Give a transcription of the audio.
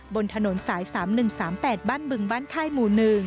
บนถนนสาย๓๑๓๘บ้านบึงบ้านค่ายหมู่๑